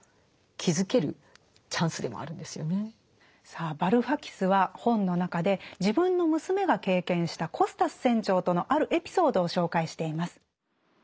さあバルファキスは本の中で自分の娘が経験したコスタス船長とのあるエピソードを紹介しています。